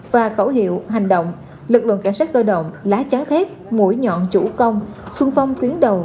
và khẩu hiệu hành động lực lượng cảnh sát cơ động lá cháo thép mũi nhọn chủ công xuân phong tuyến đầu